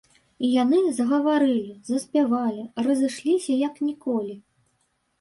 І яны загаварылі, заспявалі, разышліся, як ніколі.